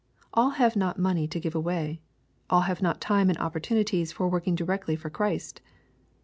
All have not money to give away. All have not time and opportunities for working directly for Christ.